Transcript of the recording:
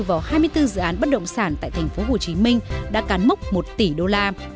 vào hai mươi bốn dự án bất động sản tại tp hcm đã cán mốc một tỷ đô la